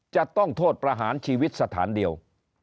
จะต้องโทษประหารชีวิตสถานเดียว